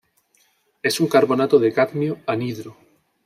Es un carbonato de cadmio, anhidro.